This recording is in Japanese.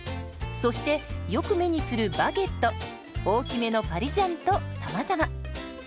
そしてよく目にするバゲット大きめのパリジャンとさまざま。